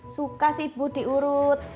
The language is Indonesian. suka sih bu diurut